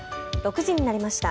６時になりました。